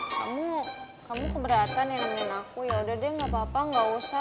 kamu kamu keberatan ya nemenin aku ya udah deh gak apa apa gak usah